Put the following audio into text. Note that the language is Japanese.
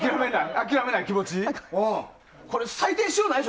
諦めない気持ち？